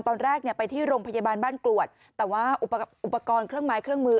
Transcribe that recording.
ตอนแรกเนี่ยไปที่โรงพยาบาลบ้านกรวดแต่ว่าอุปกรณ์เครื่องไม้เครื่องมือ